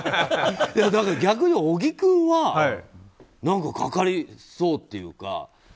逆に小木君は何か、かかりそうっていうか。